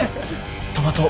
トマト